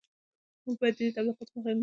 موږ باید د دې تبلیغاتو مخه ونیسو